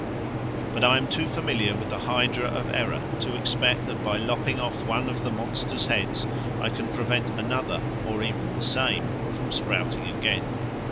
But I am too familiar with the hydra of error to expect that by lopping off one of the monster's heads I can prevent another, or even the same, from sprouting again.